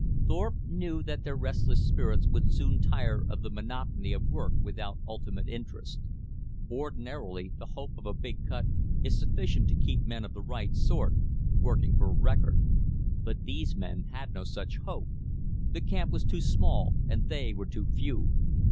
Thorpe knew that their restless spirits would soon tire of the monotony of work without ultimate interest. Ordinarily the hope of a big cut is sufficient to keep men of the right sort working for a record. But these men had no such hope the camp was too small, and they were too few.